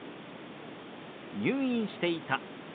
「入院していた」。